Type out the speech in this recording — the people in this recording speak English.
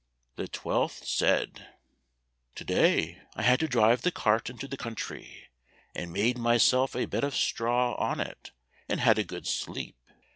The twelfth said, "To day I had to drive the cart into the country, and made myself a bed of straw on it, and had a good sleep.